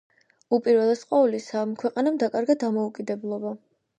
უპირველეს ყოვლისა, ქვეყანამ დაკარგა დამოუკიდებლობა.